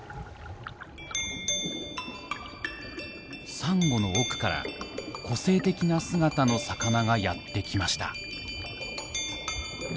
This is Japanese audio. サンゴの奥から個性的な姿の魚がやって来ました。